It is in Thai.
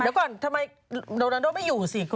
เดี๋ยวก่อนทำไมโดนันโดไม่อยู่สิ